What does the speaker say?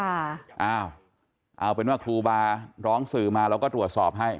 อ้าวเอาเป็นว่าครูบาร้องสื่อมาเราก็ตรวจสอบให้